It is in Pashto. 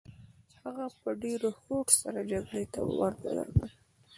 هغه په ډېر هوډ سره جګړې ته ودانګل.